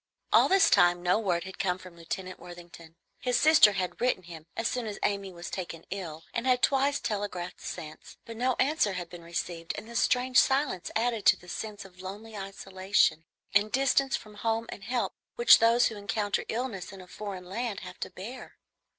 All this time no word had come from Lieutenant Worthington. His sister had written him as soon as Amy was taken ill, and had twice telegraphed since, but no answer had been received, and this strange silence added to the sense of lonely isolation and distance from home and help which those who encounter illness in a foreign land have to bear.